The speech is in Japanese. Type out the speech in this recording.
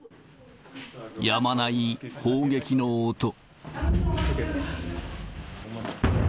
やまない砲撃の音。